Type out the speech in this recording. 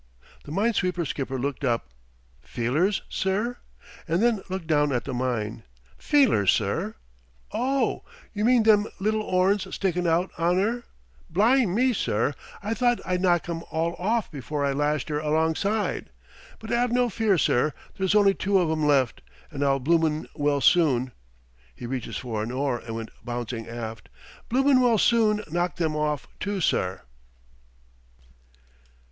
The mine sweeper skipper looked up "Feelers, sir?" and then looked down at the mine. "Feelers, sir? Oh h, you mean them little 'orns stickin' out on 'er? Bly mee, sir, I thought I'd knocked 'em all hoff afore I lashed her alongside. But 'ave no fear, sir, there's only two of 'em left, and I'll bloomin' well soon" he reaches for an oar and went bouncing aft "bloomin' well soon knock them hoff, too, sir!"